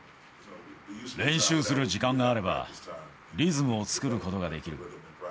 練習する時間があれば、リズムを作ることができる。